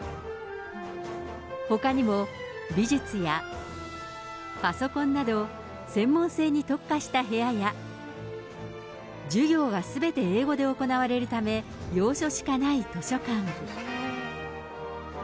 ほかにも美術やパソコンなど、専門性に特化した部屋や、授業がすべて英語で行われるため、洋書しかない図書館。